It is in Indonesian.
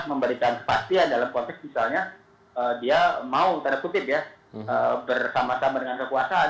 memberikan kepastian dalam konteks misalnya dia mau tanda kutip ya bersama sama dengan kekuasaan